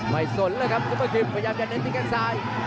ไม่สนเลยครับซุปเฟอร์คลิปพยายามจะเล็กที่แค่งซ้าย